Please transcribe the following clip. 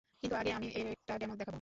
কিন্তু আগে আমি একটা ডেমো দেখাবো।